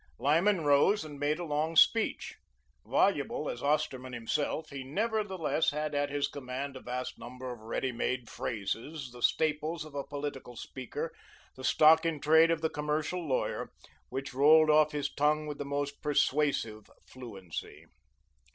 Lyman rose and made a long speech. Voluble as Osterman himself, he, nevertheless, had at his command a vast number of ready made phrases, the staples of a political speaker, the stock in trade of the commercial lawyer, which rolled off his tongue with the most persuasive fluency.